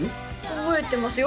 覚えてますよ？